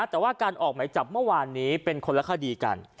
แต่ว่าการออกหมายจับเมื่อวานนี้เป็นคนละคดีกัน